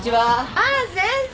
ああ先生。